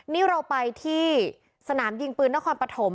นี่เราไปที่สนามยิงปืนนครปฐม